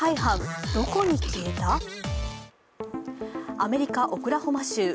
アメリカ・オクラホマ州。